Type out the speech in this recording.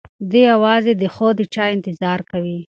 دی یوازې دی خو د چا انتظار کوي.